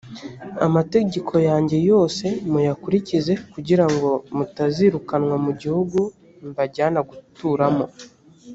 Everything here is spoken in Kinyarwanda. amategeko yanjye yose muyakurikize kugira ngo mutazirukanwa mu gihugu mbajyana guturamo